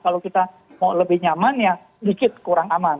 kalau kita mau lebih nyaman ya sedikit kurang aman